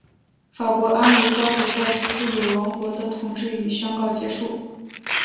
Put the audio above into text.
法国安茹家族在西西里王国的统治已宣告结束。